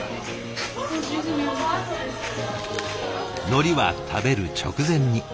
のりは食べる直前に。